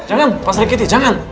jangan pasri kitty jangan